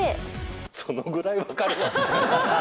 そのくらい分かるわ。